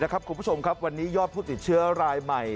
คุณผู้ชมครับวันนี้ยอดผู้ติดเชื้อรายใหม่